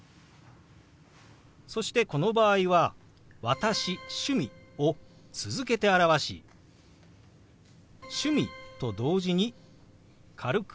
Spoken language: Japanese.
そしてこの場合は「私趣味」を続けて表し「趣味」と同時に軽くあごを下げます。